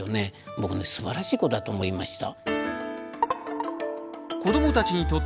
僕ねすばらしい子だと思いました。